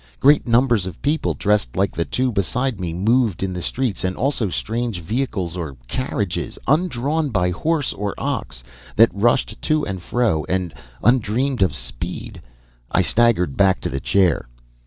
Great numbers of people, dressed like the two beside me, moved in the streets and also strange vehicles or carriages, undrawn by horse or ox, that rushed to and fro at undreamed of speed! I staggered back to the chair.